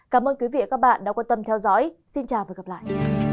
cảm ơn quý vị đã theo dõi xin chào và hẹn gặp lại